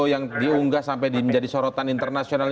yang diunggah sampai menjadi sorotan internasional